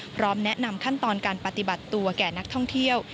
พร้อมแนะนำขั้นตอนการปฏิบัติตัวแก่นักท่องเที่ยว